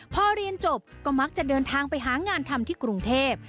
พอเรียนจบก็มักจะเดินทางไปหางานทำที่กรุงเทพ